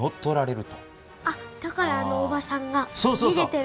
だからあのおばさんがにげてる。